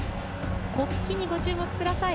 国旗にご注目ください。